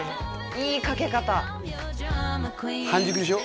いいかけ方半熟でしょ？